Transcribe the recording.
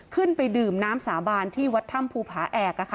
ขึ้นไปดื่มน้ำสาบานที่วัดถ้ำภูผาแอก